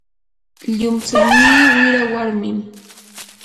llumtsuynii wira warmim.